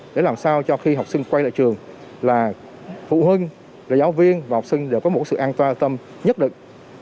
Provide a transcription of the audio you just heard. để làm sao cho khi học sinh quay lại trường là phụ huynh giáo viên và học sinh đều có một sự an toàn an tâm nhất định